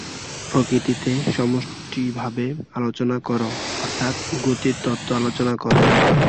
প্রকৃতিকে সমষ্টিভাবে আলোচনা কর অর্থাৎ গতির তত্ত্ব আলোচনা কর।